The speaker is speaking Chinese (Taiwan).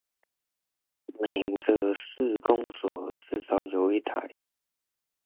每個市公所至少有一台